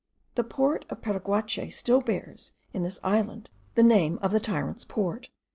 The port of Paraguache still bears, in this island, the name of the Tyrant's Port.)